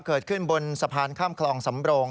เกิดขึ้นบนสะพานข้ามคลองสำโรง